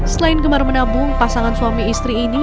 selain gemar menabung pasangan suami istri ini